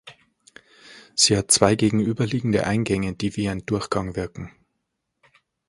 Sie hat zwei gegenüberliegende Eingänge, die wie ein Durchgang wirken.